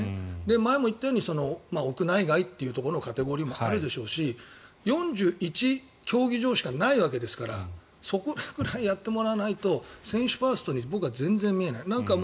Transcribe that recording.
前も言ったように屋内外というところのカテゴリーもあるでしょうし４１競技場しかないわけですからそこぐらいやってもらわないと選手ファーストに僕は全然見えない。